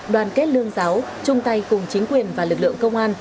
đoàn kết lương giáo chung tay cùng chính quyền và lực lượng công an